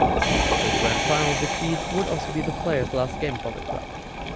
The grand final defeat would also be the players last game for the club.